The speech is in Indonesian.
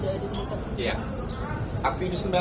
mungkin itu ada disimpulkan